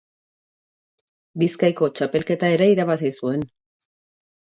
Bizkaiko Txapelketa ere irabazi zuen.